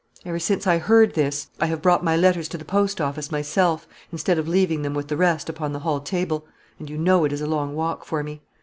Ever since I heard this, I have brought my letters to the post office myself, instead of leaving them with the rest upon the hall table; and you know it is a long walk for me....